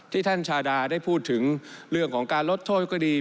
ท่านชาดาได้พูดถึงเรื่องของการลดโทษก็ดี